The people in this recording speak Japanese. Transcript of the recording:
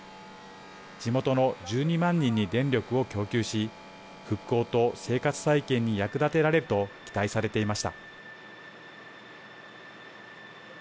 地元の１２万人に電力を供給し復興と生活再建に役立てられると期待されていました。